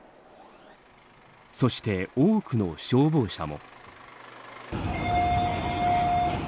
そして多くの消防車も。